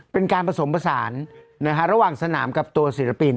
เป็นการผสมผสานระหว่างสนามกับตัวศิลปิน